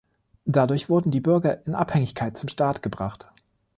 Dadurch wurden die Bürger in Abhängigkeit zum Staat gebracht.